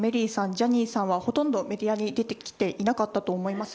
ジャニーさんはほとんどメディアに出てきていなかったと思います。